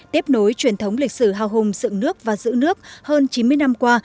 tiếp nối truyền thống lịch sử hào hùng dựng nước và giữ nước hơn chín mươi năm qua